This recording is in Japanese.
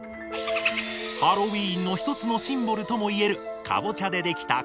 ハロウィーンの一つのシンボルとも言えるカボチャでできたこのランタン。